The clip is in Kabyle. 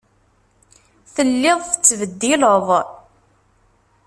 Telliḍ tettbeddileḍ.